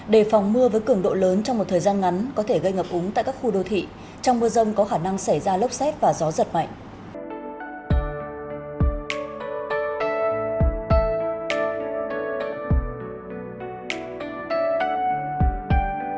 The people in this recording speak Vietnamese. đề phòng mưa với cường độ lớn trong một thời gian ngắn có thể gây ngập úng tại các khu đô thị trong mưa rông có khả năng xảy ra lốc xét và gió giật mạnh